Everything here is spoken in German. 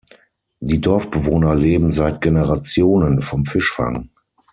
Die Dorfbewohner leben seit Generationen vom Fischfang.